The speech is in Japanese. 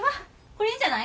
これいいんじゃない？